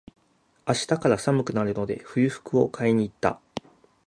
明日から寒くなるので、冬服を買いに行った。